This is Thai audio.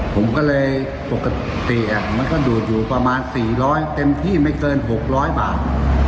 ผมก็เลยปกติมันก็ดูดอยู่ประมาณ๔๐๐เต็มที่ไม่เกิน๖๐๐บาท